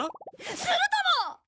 するとも！